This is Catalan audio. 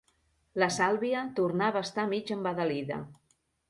La Sàlvia tornava a estar mig embadalida.